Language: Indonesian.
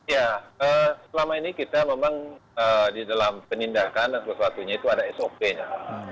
ya selama ini kita memang di dalam penindakan dan sesuatunya itu ada sop nya